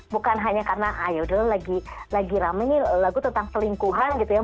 bukan hanya karena ayo dulu lagi rame nih lagu tentang selingkuhan gitu ya